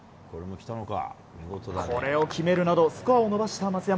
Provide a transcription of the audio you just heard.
これを決めるなどスコアを伸ばした松山。